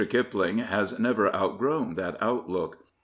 Kipling has never outgrown that outlook.